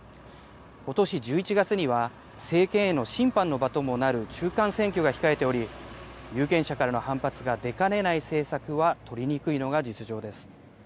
ことし１１月には政権への審判の場ともなる中間選挙が控えており、有権者からの反発が出かねない政策は取りにくいのが実情です。